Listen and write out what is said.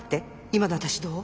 今の私どう？